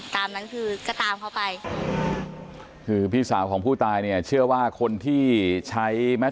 ตามนั้นคือก็ตามเขาไปคือพี่สาวของผู้ตายเนี่ยเชื่อว่าคนที่ใช้แมท